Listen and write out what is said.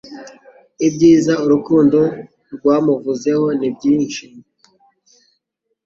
ibyiza Urukundo rwa muvuzeho nibyinshyi